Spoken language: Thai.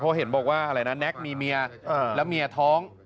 เพราะเห็นบอกว่าอะไรนะแน็กมีเมียแล้วเมียท้อง